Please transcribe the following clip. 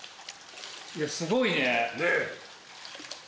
いやすごいね。